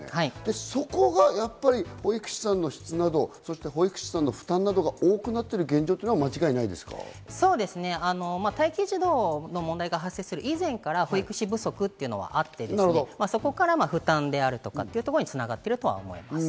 そこが保育士さんの質など、負担などが多くなっている現状は待機児童の問題が発生する以前から保育士不足はあって、そこから負担であるとかに繋がっているとは思います。